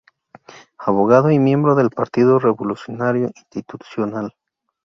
Abogado y miembro del Partido Revolucionario Institucional.